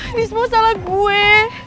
ini semua salah gue